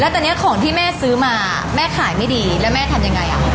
ตอนนี้ของที่แม่ซื้อมาแม่ขายไม่ดีแล้วแม่ทำยังไง